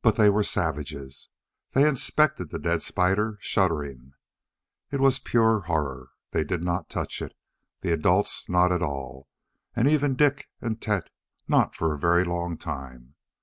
But they were savages. They inspected the dead spider, shuddering. It was pure horror. They did not touch it the adults not at all, and even Dik and Tet not for a very long time.